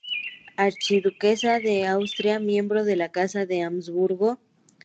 Archiduquesa de Austria, miembro de la Casa de Habsburgo.